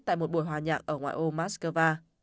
tại một buổi hòa nhạc ở ngoại ô moscow